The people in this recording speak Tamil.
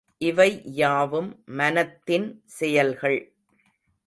இவை யாவும் மனத்தின் செயல்கள்.